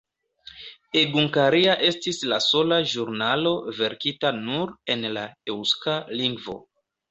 Egunkaria estis la sola ĵurnalo verkita nur en la eŭska lingvo.